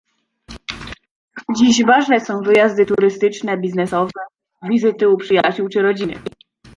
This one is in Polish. Dziś ważne są wyjazdy turystyczne, biznesowe, wizyty u przyjaciół czy rodziny